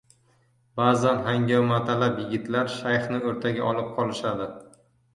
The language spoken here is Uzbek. Ba’zan hangomatalab yigitlar Shayxni o‘rtaga olib qolishadi.